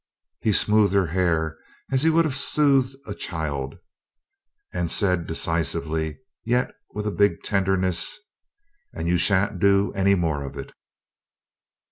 He smoothed her hair as he would have soothed a child, and said decisively yet with a big tenderness: "And you shan't do any more of it!"